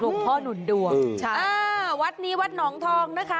หลวงพ่อหนุนดวงวัดนี้วัดหนองทองนะคะ